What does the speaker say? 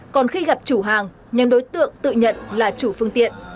còn khi gặp chủ hàng nhóm đối tượng tự nhận là chủ phương tiện